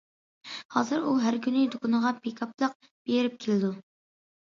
ھازىر ئۇ ھەر كۈنى دۇكىنىغا پىكاپلىق بېرىپ كېلىدۇ.